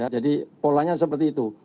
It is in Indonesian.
jadi polanya seperti itu